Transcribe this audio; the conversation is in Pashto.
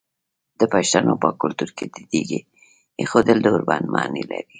د پښتنو په کلتور کې د تیږې ایښودل د اوربند معنی لري.